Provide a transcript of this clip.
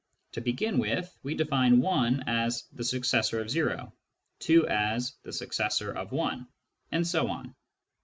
To begin with, we define 1 as " the successor of o," 2 as " the successor of I," and so on.